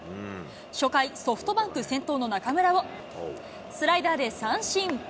初回、ソフトバンク先頭の中村をスライダーで三振。